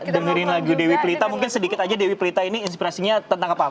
dengerin lagu dewi pelita mungkin sedikit aja dewi pelita ini inspirasinya tentang apa